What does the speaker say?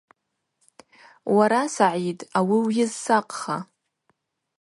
Уара, Сагӏид, ауи уйызсакъха.